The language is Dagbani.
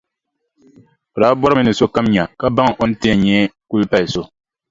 O daa bɔrimi ni sokam nya ka baŋ o ni ti yɛn nyɛ kulipalʼ so.